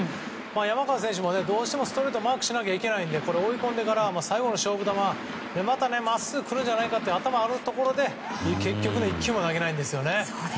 山川選手もどうしてもストレートをマークしないといけないので追い込んでから最後の勝負球またまっすぐ来るんじゃないかという頭があるところで結局、１球も投げないんですね。